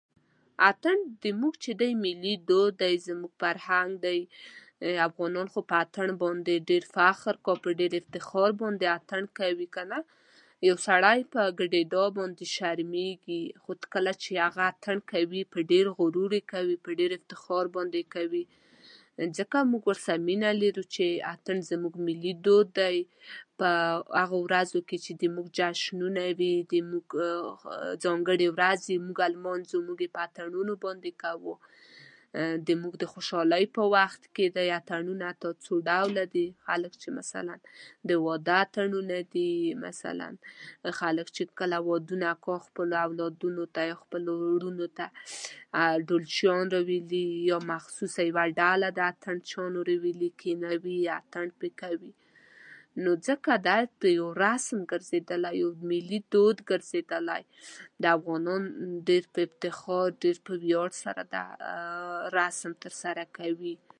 ته به سږني ازموينه کې بريالی شې؟